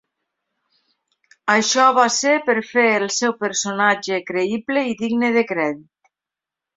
Això va ser per fer el seu personatge creïble i digne de crèdit.